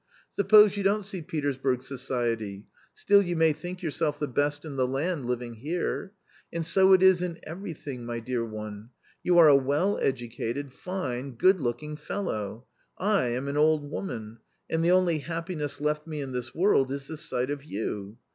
Suppose you don't see Petersburg society — still you may think yourself the best in the land living here ; and so it is in everything, my dear one. You are a well educated, fine, good looking fellow. I am an old woman, and the only happiness left me in this world is the sight of you.